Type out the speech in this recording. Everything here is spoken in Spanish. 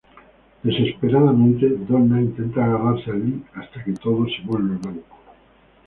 Desesperadamente, Donna intenta agarrarse a Lee hasta que todo se vuelve blanco.